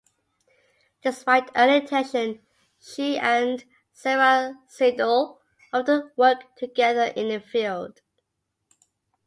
Despite early tension, she and Sara Sidle often work together in the field.